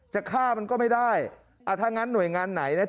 จะฆ่ามันก็ไม่ได้ถ้างั้นหน่วยงานไหนนะ